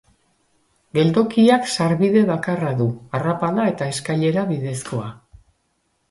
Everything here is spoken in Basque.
Geltokiak sarbide bakarra du, arrapala eta eskailera bidezkoa.